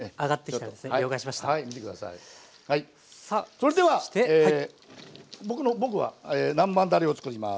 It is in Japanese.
それでは僕は南蛮だれをつくります。